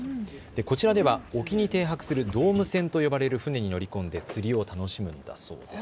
こちらでは沖に停泊するドーム船と呼ばれる船に乗り込んで釣りを楽しむんだそうです。